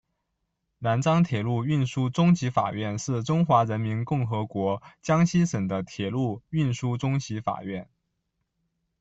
南昌铁路运输中级法院是中华人民共和国江西省的铁路运输中级法院。